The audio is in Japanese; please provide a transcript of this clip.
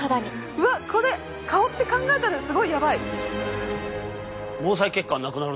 うわっこれ顔って考えたらすごいやばい！